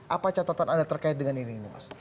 apa catatan anda terkait dengan ini mas